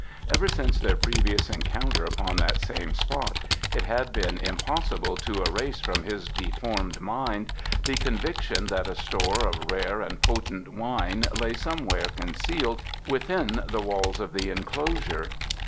Ever since their previous encounter upon that same spot it had been impossible to erase from his deformed mind the conviction that a store of rare and potent wine lay somewhere concealed within the walls of the enclosure.